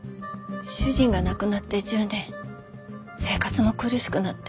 主人が亡くなって１０年生活も苦しくなって。